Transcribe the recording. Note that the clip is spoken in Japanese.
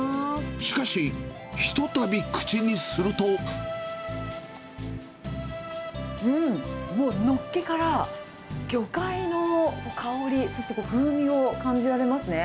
しかし、うん、もうのっけから、魚介の香り、そして、風味を感じられますね。